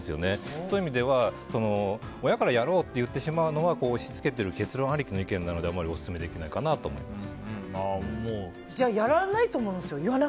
そういう意味では、親からやろうって言ってしまうのは押し付けてる結論ありきの意見なのであまりオススメできないかなとやらないと思うんですよ